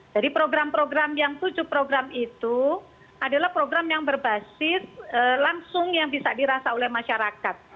jadi program program yang tujuh program itu adalah program yang berbasis langsung yang bisa dirasa oleh masyarakat